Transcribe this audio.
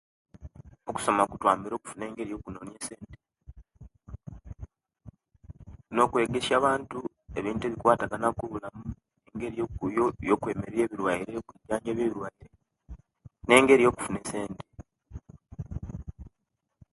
Okusoma kutwambire okufuna engeri yokunonia esente nokwegesiya abuntu ebintu ebikwatagana ku bulamu ne engeri eyokuwemereriya ebiruaire no kwijanjabiya ebiruiare ne engeri yokufuna esente